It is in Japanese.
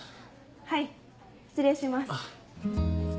はい失礼します。